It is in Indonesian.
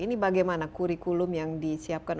ini bagaimana kurikulum yang disiapkan